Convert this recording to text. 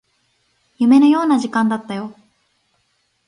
夢のような時間だったよ